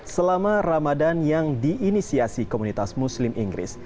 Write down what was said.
selama ramadan yang diinisiasi komunitas muslim inggris